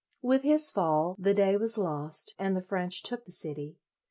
With his fall, the day was lost, and the French took the city.